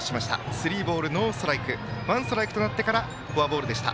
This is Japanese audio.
スリーボールワンストライクとなってからフォアボールでした。